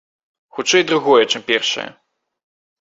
Хутчэй другое, чым першае.